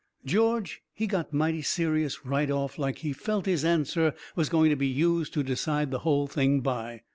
George, he got mighty serious right off, like he felt his answer was going to be used to decide the hull thing by.